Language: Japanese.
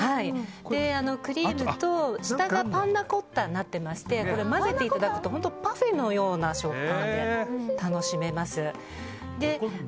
クリームと、下がパンナコッタになっていまして混ぜていただくとパフェのような食感で楽しめます。